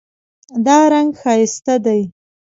دا رنګ ښایسته دی